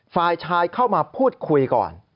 ฝ่ายชายเข้ามาพูดคุยก่อน